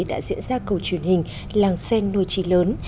đã diễn ra cầu truyền hình làng xen nôi chi lớn